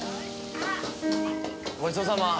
ごちそうさま。